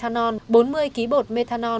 chế được bốn mươi kg bột methanol